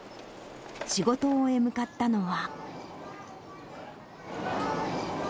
仕事を終え、向かったのは。